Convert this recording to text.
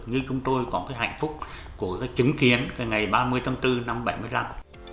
như chúng tôi có cái hạnh phúc của cái chứng kiến cái ngày ba mươi tháng bốn năm một nghìn chín trăm bảy mươi năm